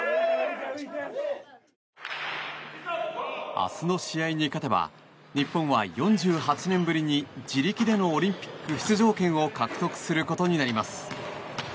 明日の試合に勝てば日本は４８年ぶりに自力でのオリンピック出場権を獲得することになります。